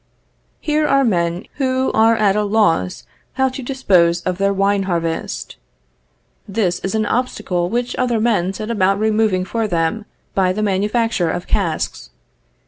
Here are men who are at a loss how to dispose of their wine harvest. This is an obstacle which other men set about removing for them by the manufacture of casks.